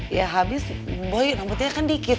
ya habis boy rambutnya kan dikit